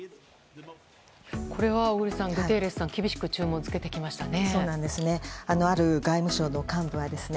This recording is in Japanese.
これは小栗さんグテーレスさん厳しく注文をつけてきましたね。